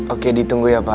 oke ditunggu ya pak